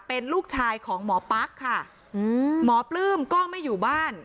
เป็นลูกชายของหมอปั๊กค่ะอืมหมอปลื้มก็ไม่อยู่บ้าน